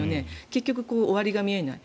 結局、終わりが見えない。